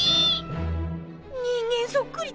人間そっくりだもんで。